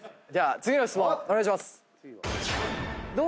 次の質問お願いします。